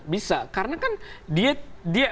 bisa karena kan dia